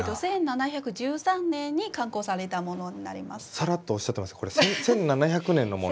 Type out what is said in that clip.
さらっとおっしゃってますけどこれ１７００年のもの？